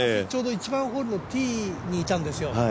１番ホールのティーにいたんですよ。